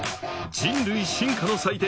人類進化の祭典